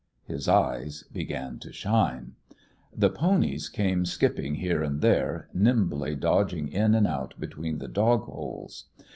His eyes began to shine. The ponies came skipping here and there, nimbly dodging in and out between the dog holes.